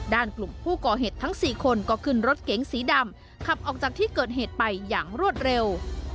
กลุ่มผู้ก่อเหตุทั้ง๔คนก็ขึ้นรถเก๋งสีดำขับออกจากที่เกิดเหตุไปอย่างรวดเร็ว